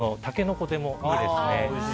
今が旬のタケノコでもいいですね。